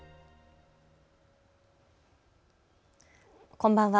こんばんは。